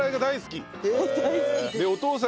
大好きです。